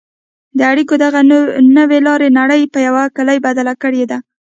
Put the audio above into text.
د اړیکو دغې نوې لارې نړۍ په یوه کلي بدله کړې ده.